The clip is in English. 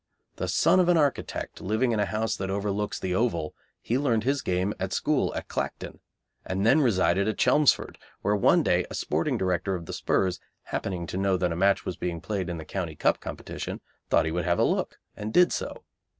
The son of an architect living in a house that overlooks the Oval, he learned his game at a school at Clacton, and then resided at Chelmsford, where one day a director of the 'Spurs, happening to know that a match was being played in the County Cup Competition, thought he would have a look, and did so.